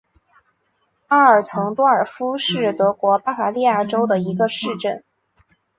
阿尔滕多尔夫是德国巴伐利亚州的一个市镇。